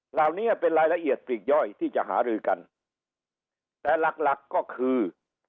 เหล่านี้เป็นรายละเอียดปลีกย่อยที่จะหารือกันแต่หลักหลักก็คือ